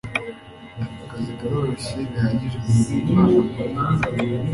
Aka kazi karoroshye bihagije kugirango umwana akore.